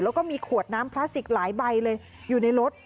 แล้วก็มีขวดน้ำพลาสติกหลายใบเลยอยู่ในรถ